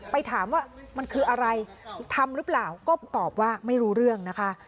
ไปถามว่ามันคืออะไรทำหรือเปล่าก็ตอบว่าไม่รู้เรื่องนะคะ